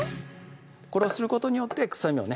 これをすることによって臭みをね